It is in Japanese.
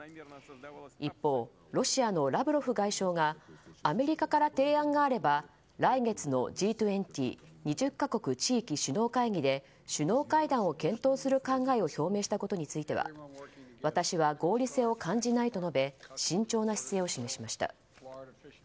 一方、ロシアのラブロフ外相がアメリカから提案があれば来月のＧ２０２０か国地域首脳会議で首脳会談を検討する考えを表明したことについては私は合理性を感じないと述べ慎重な姿勢を示しました。